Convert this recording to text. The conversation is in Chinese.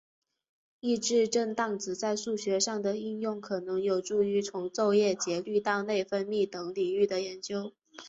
抑制震荡子在数学上的应用可能有助于从昼夜节律到内分泌等领域的研究。